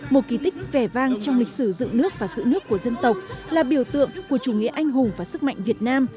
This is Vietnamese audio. một kỳ tích vẻ vang trong lịch sử dựng nước và sự nước của dân tộc là biểu tượng của chủ nghĩa anh hùng và sức mạnh việt nam